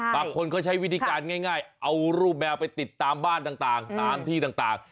บางคนเขาใช้วิธีการง่ายเอารูปแมวไปติดตามบ้านต่างตามที่ต่าง